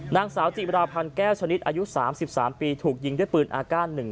นางสาวจิบราพันธ์แก้วชนิดอายุ๓๓ปีถูกยิงด้วยปืนอากาศ